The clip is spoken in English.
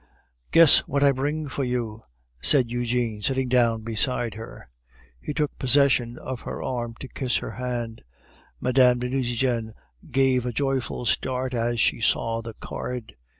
"Guess what I bring for you," said Eugene, sitting down beside her. He took possession of her arm to kiss her hand. Mme. de Nucingen gave a joyful start as she saw the card.